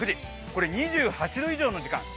これ、２８度以上の時間。